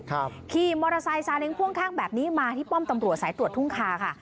ขี่มอเตอร์ไซค์ซาเล้งพ่วงข้างแบบนี้มาที่ป้อมตำรวจสายตรวจทุ่งคาค่ะ